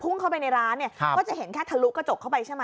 เข้าไปในร้านเนี่ยก็จะเห็นแค่ทะลุกระจกเข้าไปใช่ไหม